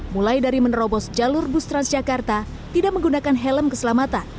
mulai dari menerobos jalur bus transjakarta tidak menggunakan helm keselamatan